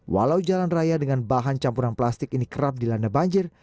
walau jalan raya dengan bahan campuran plastik ini kerap dilanda banjir